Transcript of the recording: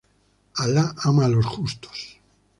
Allah ama a los justos.